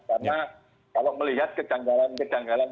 karena kalau melihat kejanggalan kejanggalan